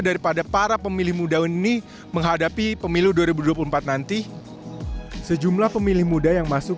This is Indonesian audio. daripada para pemilih muda ini menghadapi pemilu dua ribu dua puluh empat nanti sejumlah pemilih muda yang masuk